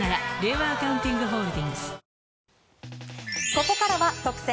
ここからは特選！！